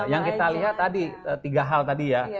yang kita lihat tadi tiga hal tadi ya